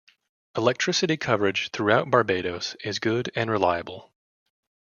Electricity coverage throughout Barbados is good and reliable.